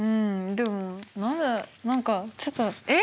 でもまだ何かちょっとえっ？